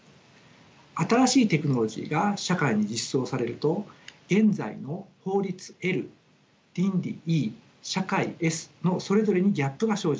新しいテクノロジーが社会に実装されると現在の法律倫理社会のそれぞれにギャップが生じます。